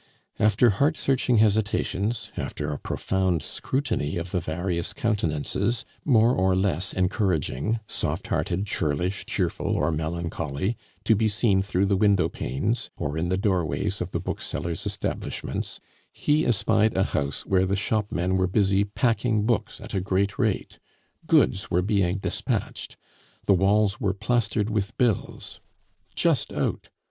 After heart searching hesitations, after a profound scrutiny of the various countenances, more or less encouraging, soft hearted, churlish, cheerful, or melancholy, to be seen through the window panes, or in the doorways of the booksellers' establishments, he espied a house where the shopmen were busy packing books at a great rate. Goods were being despatched. The walls were plastered with bills: JUST OUT.